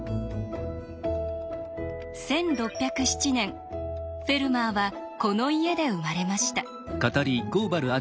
１６０７年フェルマーはこの家で生まれました。